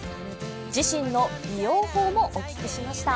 自身の美容法もお聞きしました。